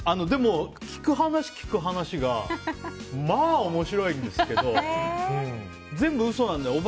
でも聞く話、聞く話がまあ面白いんですけど全部、嘘なので。